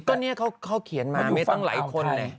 ก็นี่เขาเขียนมาไม่ต้องหลายคน